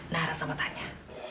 nara sama tanya